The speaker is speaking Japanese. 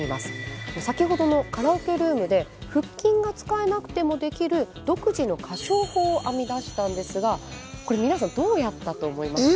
先ほどのカラオケルームで腹筋が使えなくてもできる独自の歌唱法を編み出したんですがこれ皆さんどうやったと思いますか？